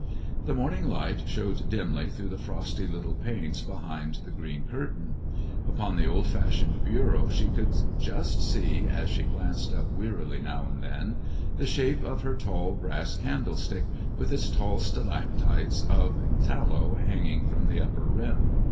The morning light showed dimly through the frosty little panes behind the green curtain. Upon the old fashioned bureau she could just see, as she glanced up wearily now and then, the shape of her tall brass candlestick, with its long stalactites of tallow hanging from the upper rim.